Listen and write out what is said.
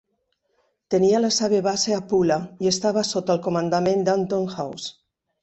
Tenia la seva base a Pula i estava sota el comandament d'Anton Haus.